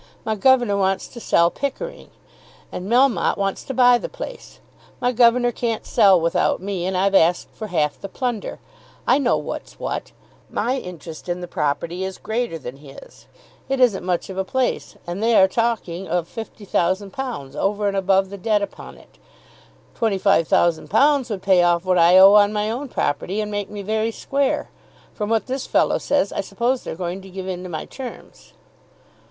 "My governor wants to sell Pickering, and Melmotte wants to buy the place. My governor can't sell without me, and I've asked for half the plunder. I know what's what. My interest in the property is greater than his. It isn't much of a place, and they are talking of £50,000, over and above the debt upon it. £25,000 would pay off what I owe on my own property, and make me very square. From what this fellow says I suppose they're going to give in to my terms."